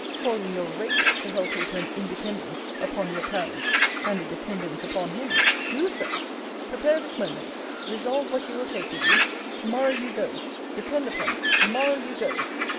Call in your rake to help you to an independence upon your parents, and a dependence upon him! Do so! Prepare this moment resolve what you will take with you to morrow you go depend upon it to morrow you go!